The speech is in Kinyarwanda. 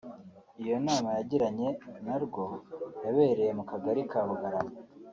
Iyo nama yagiranye na rwo yabereye mu kagari ka Bugarama